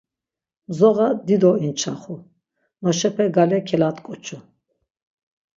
Mzoğa dido inçaxu, noşepe gale kelat̆ǩoçu.